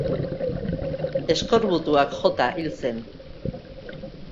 Eskorbutuak jota hil zen.